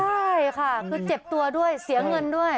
ใช่ค่ะคือเจ็บตัวด้วยเสียเงินด้วย